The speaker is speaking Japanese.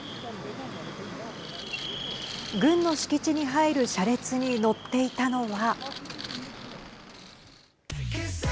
軍の敷地に入る車列に乗っていたのは。